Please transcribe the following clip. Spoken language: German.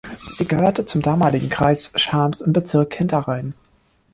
Sie gehörte zum damaligen Kreis Schams im Bezirk Hinterrhein.